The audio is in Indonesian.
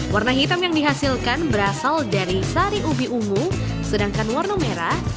warna hitam yang dihasilkan berasal dari sari ubi ungu sedangkan warna merah